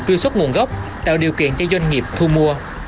truy xuất nguồn gốc tạo điều kiện cho doanh nghiệp thu mua